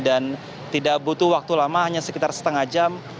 dan tidak butuh waktu lama hanya sekitar setengah jam